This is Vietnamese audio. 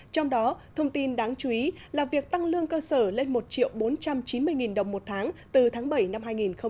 trong đó thông tin đáng chú ý là việc tăng lương cơ sở lên một bốn trăm chín mươi đồng một tháng từ tháng bảy năm hai nghìn một mươi chín